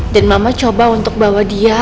dan mama coba untuk bawa dia